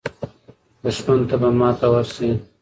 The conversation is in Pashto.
دښمن ته به ماته ورسي.